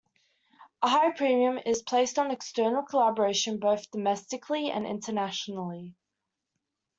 A high premium is placed on external collaboration both domestically and internationally.